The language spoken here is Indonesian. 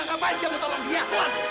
ini tak diterima pak